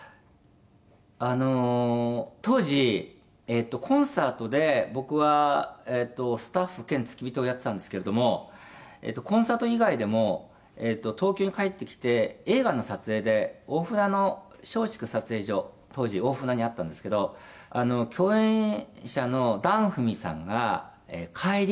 「あの当時コンサートで僕はスタッフ兼付き人をやってたんですけれどもコンサート以外でも東京に帰ってきて映画の撮影で大船の松竹撮影所当時大船にあったんですけど共演者の檀ふみさんが帰り